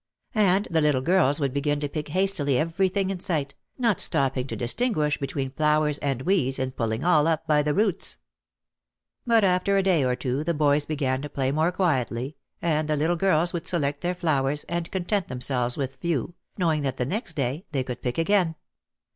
And the little girls would begin to pick hastily everything in sight, not stopping to distinguish between flowers and weeds and pulling all up by the roots. But after a day or two the boys began to play more quietly and the little girls would select their flowers and content themselves with few, knowing that the next day they could pick again.